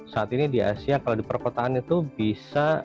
saat ini di asia kalau di perkotaan itu bisa